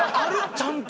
ちゃんと。